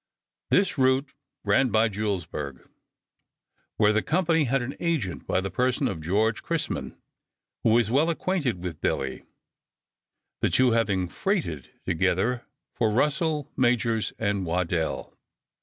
This route ran by Julesburg, where the company had an agent in the person of George Chrisman, who was well acquainted with Billy, the two having freighted together for Russell, Majors & Waddell.